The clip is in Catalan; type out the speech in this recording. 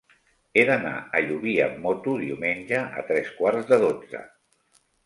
He d'anar a Llubí amb moto diumenge a tres quarts de dotze.